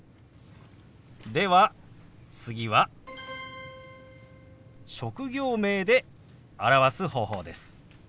では次は職業名で表す方法です。